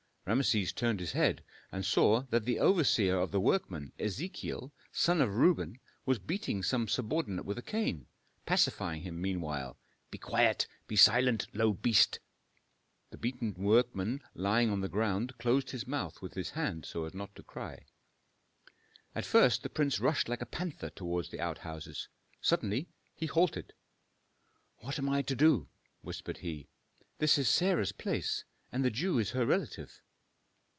Rameses turned his head, and saw that the overseer of the workmen, Ezechiel, son of Reuben, was beating some subordinate with a cane, pacifying him meanwhile, "Be quiet! be silent, low beast!" The beaten workman, lying on the ground, closed his mouth with his hand so as not to cry. At first the prince rushed like a panther toward the outhouses. Suddenly he halted. "What am I to do?" whispered he. "This is Sarah's place, and the Jew is her relative."